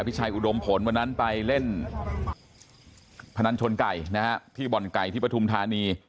พี่ชัยอุดมผลวันนั้นไปเล่นพนันชนไก่นะฮะที่บ่อนไก่ที่ปฐุมธานี